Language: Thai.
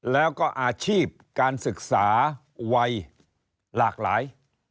แล้วก็อาชีพการศึกษาวัยหลากหลาย